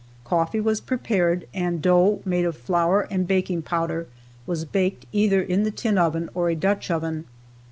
Coffee was prepared, and dough made of flour and baking powder was baked either in the tin oven or a Dutch oven.